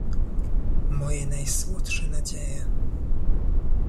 "moje najsłodsze nadzieje!"